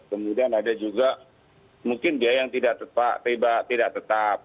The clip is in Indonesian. kemudian ada juga mungkin biaya yang tidak tetap